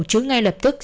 chứ ngay lập tức